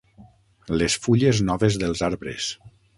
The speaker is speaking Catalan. Les fulles noves dels arbres.